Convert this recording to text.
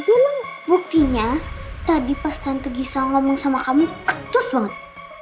ada langit buktinya tadi pas tante gisa ngomong sama kamu ketus banget